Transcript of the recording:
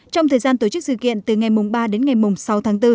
trong thời gian tổ chức dự kiện từ ngày ba đến ngày sáu tháng bốn